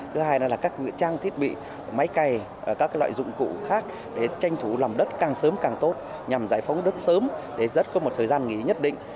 thứ hai là các trang thiết bị máy cày các loại dụng cụ khác để tranh thủ lòng đất càng sớm càng tốt nhằm giải phóng đất sớm để rất có một thời gian nghỉ nhất định